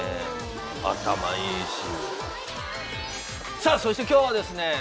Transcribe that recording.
さあそして今日はですね